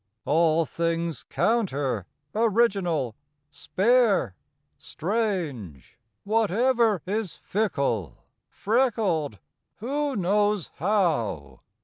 All things counter, original, spare, strange; Whatever is fickle, freckled (who knows how?)